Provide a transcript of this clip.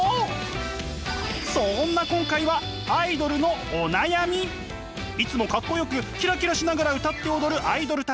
そんな今回はいつもかっこよくキラキラしながら歌って踊るアイドルたち